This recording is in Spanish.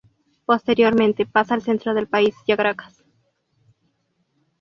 Posteriormente pasa al centro del país y a Caracas.